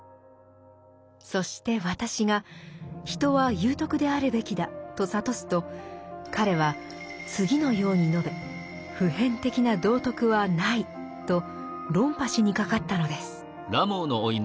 そして「私」が「人は有徳であるべきだ」と諭すと彼は次のように述べ「普遍的な道徳はない」と論破しにかかったのです。